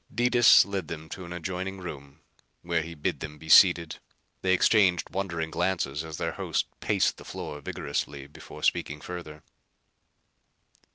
Detis led them to an adjoining room where he bid them be seated. They exchanged wondering glances as their host paced the floor vigorously before speaking further.